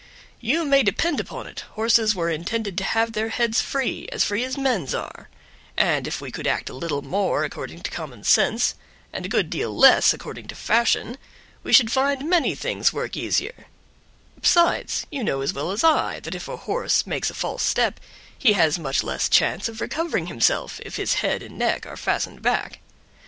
You may depend upon it, horses were intended to have their heads free, as free as men's are; and if we could act a little more according to common sense, and a good deal less according to fashion, we should find many things work easier; besides, you know as well as I that if a horse makes a false step, he has much less chance of recovering himself if his head and neck are fastened back.